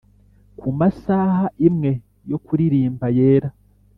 kumasaha imwe yo kuririmba yera